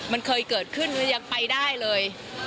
มันเคยเกิดขึ้นยังไปได้เลย